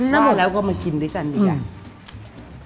ทั้งหมดแล้วก็มากินด้วยกันอีกอ่ะ